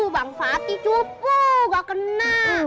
bang fatih cupu gak kena